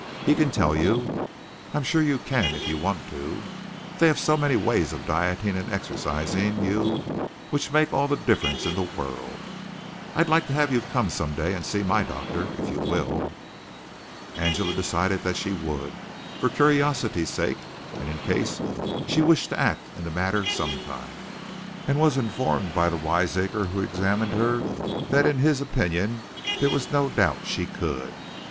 "He can tell you. I'm sure you can if you want to. They have so many ways of dieting and exercising you which make all the difference in the world. I'd like to have you come some day and see my doctor, if you will." Angela decided that she would, for curiosity's sake, and in case she wished to act in the matter some time; and was informed by the wiseacre who examined her that in his opinion there was no doubt that she could.